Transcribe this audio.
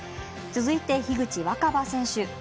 続いて樋口新葉選手。